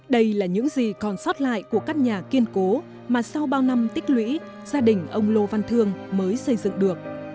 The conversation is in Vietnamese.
đây là những gì còn sót lại của căn nhà kiên cố mà sau bao năm tích lũy gia đình ông lô văn thương mới xây dựng được